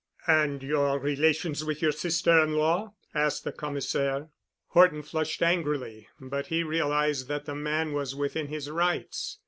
"And your relations with your sister in law?" asked the Commissaire. Horton flushed angrily, but he realized that the man was within his rights.